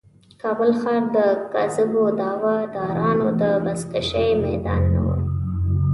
کابل ښار د کاذبو دعوه دارانو د بزکشې میدان نه و.